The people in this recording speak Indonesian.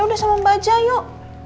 udah sama mbak aja yuk